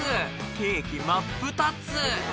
ケーキ真っ二つ！